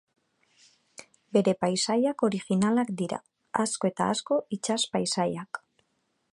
Bere paisaiak originalak dira, asko eta asko itsas-paisaiak.